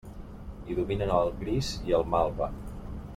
Hi dominen el gris i el malva.